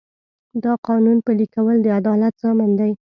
د قانون پلي کول د عدالت ضامن دی.